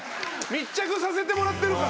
密着させてもらってるから。